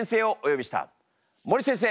森先生